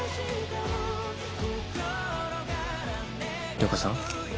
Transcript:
涼子さん。